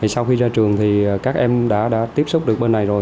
sau khi ra trường thì các em đã tiếp xúc được bên này rồi